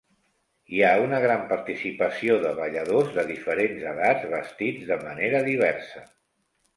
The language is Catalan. Hi ha una gran participació de balladors de diferents edats, vestits de manera diversa.